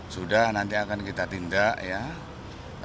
sudah nanti akan kita tindakkan